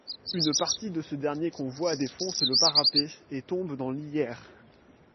Une partie de ce dernier convoi défonce le parapet et tombe dans l'Yerres.